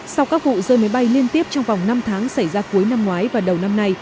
sau các vụ rơi máy bay liên tiếp trong vòng năm tháng xảy ra cuối năm ngoái và đầu năm nay